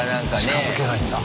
近づけないんだ。